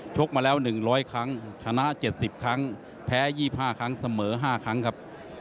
กมาแล้ว๑๐๐ครั้งชนะ๗๐ครั้งแพ้๒๕ครั้งเสมอ๕ครั้งครับ